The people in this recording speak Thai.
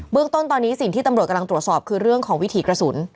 เรื่องต้นตอนนี้สิ่งที่ตำรวจกำลังตรวจสอบคือเรื่องของวิถีกระสุน